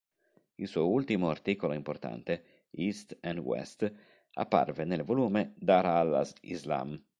Il suo ultimo articolo importante, "East and West", apparve nel volume "Dar al Islam.